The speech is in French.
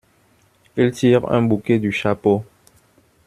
Il tire un bouquet du chapeau.